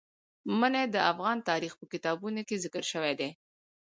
منی د افغان تاریخ په کتابونو کې ذکر شوی دي.